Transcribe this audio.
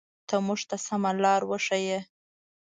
ته مونږ ته سمه لاره وښایه.